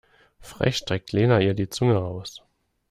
Frech streckt Lena ihr die Zunge raus.